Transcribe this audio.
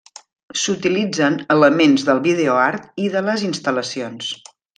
S'utilitzen elements del videoart i de les instal·lacions.